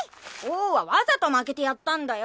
王はわざと負けてやったんだよ。